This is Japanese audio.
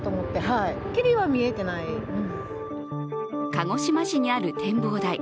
鹿児島市にある展望台。